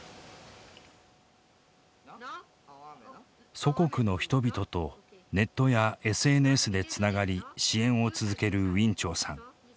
祖国の人々とネットやＳＮＳでつながり支援を続けるウィン・チョウさん。